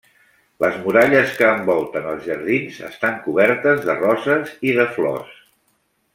Les muralles que envolten els jardins estan cobertes de roses i de flors.